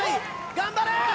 頑張れ！